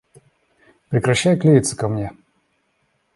Прекращай клеиться ко мне!